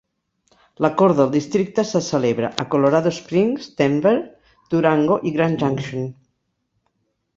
La Cort del districte se celebra a Colorado Springs, Denver, Durango i Grand Junction.